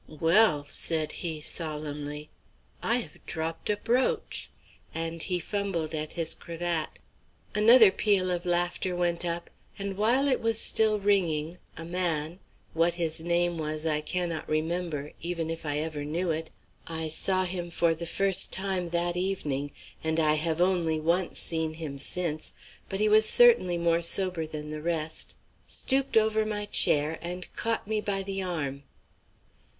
"Well," said he, solemnly, "I have dropped a brooch," and he fumbled at his cravat. Another peal of laughter went up; and while it was still ringing, a man what his name was I cannot remember, even if I ever knew it; I saw him for the first time that evening, and I have only once seen him since, but he was certainly more sober than the rest stooped over my chair and caught me by the arm.